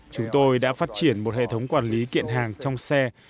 chúng tôi đã phát triển một hệ thống quản lý kiện hàng trong xe